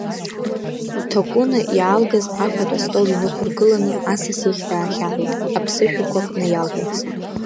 Ҭакәына иаалгаз афатә астол инықәлыргылан асас иахь даахьаҳәит аԥсышәақәак наиалҳәарц.